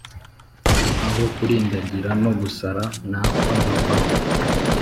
aho kurindagira no gusara napfa nkavaho